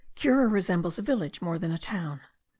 Cura resembles a village more than a town.